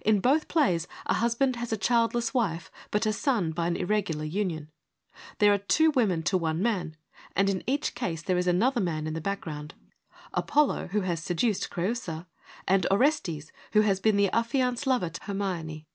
In both plays a husband has a childless wife, but a son by an irregular union. There are two women to one man, and in each case there is another man in the background, Apollo who has seduced Creiisa, and Orestes who has been the affi anced lover to Hermione.